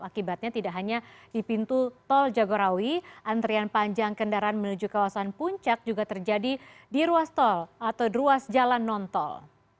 akibatnya tidak hanya di pintu tol jagorawi antrian panjang kendaraan menuju kawasan puncak juga terjadi di ruas tol atau ruas jalan non tol